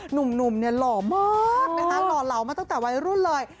หนุ่มหรอเมร์กนะคะหรอเหร่ามาตั้งแต่วัยรุ่นเลย